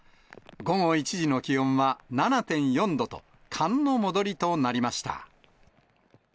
午後１時の気温は７．４度と、寒の戻りとなりました。